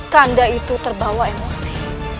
kanda itu terbawa emosi